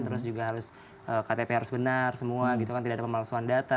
terus juga harus ktp harus benar semua gitu kan tidak ada pemalsuan data